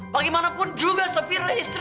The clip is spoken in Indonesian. bagaimanapun juga sephira istri